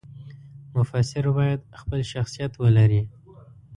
مفسر باید خپل شخصیت ولري.